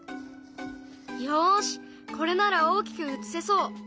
よしこれなら大きく映せそう！